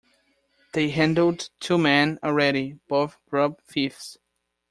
They handled two men already, both grub-thieves.